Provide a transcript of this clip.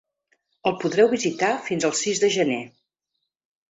El podreu visitar fins el sis de gener.